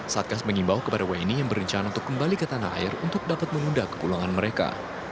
satgas mengimbau kepada wni yang berencana untuk kembali ke tanah air untuk dapat menunda kepulangan mereka